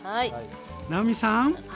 直美さん